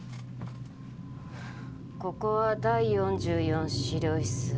ここは第４４資料室。